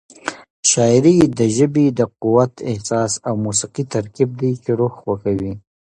شاعري د ژبې د قوت، احساس او موسيقۍ ترکیب دی چې روح خوښوي.